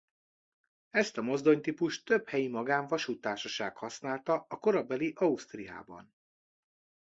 Ezt a mozdonytípust több helyi magán-vasúttársaság használta a korabeli Ausztriában.